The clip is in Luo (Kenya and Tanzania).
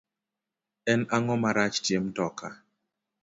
En ango marach tie mtoka